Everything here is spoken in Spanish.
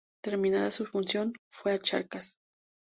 Terminada su función, fue a Charcas.